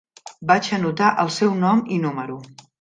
Vaig anotar el seu nom i número.